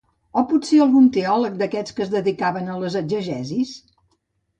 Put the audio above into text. O potser algun teòleg d'aquests que es dedicaven a les exegesis?